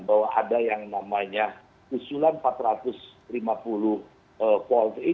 bahwa ada yang namanya usulan empat ratus lima puluh polri